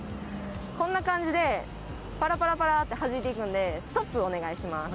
こんな感じでパラパラパラってはじいて行くんでストップお願いします。